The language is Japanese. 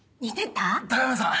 高山さん！